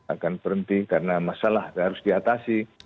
akan berhenti karena masalah harus diatasi